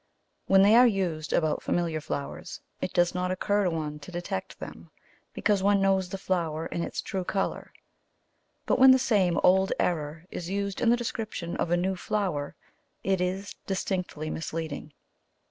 When they are used about familiar flowers it does not occur to one to detect them, because one knows the flower and its true colour; but when the same old error is used in the description of a new flower, it is distinctly misleading.